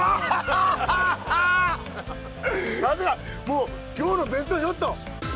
もう今日のベストショット。